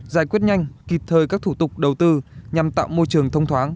giải quyết nhanh kịp thời các thủ tục đầu tư nhằm tạo môi trường thông thoáng